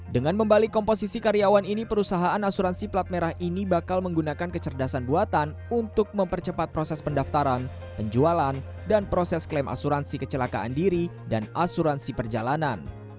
dengan membalik komposisi karyawan ini perusahaan asuransi plat merah ini bakal menggunakan kecerdasan buatan untuk mempercepat proses pendaftaran penjualan dan proses klaim asuransi kecelakaan diri dan asuransi perjalanan